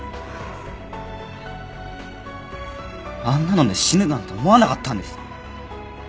あんなので死ぬなんて思わなかったんです。